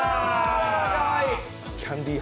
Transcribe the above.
キャンディー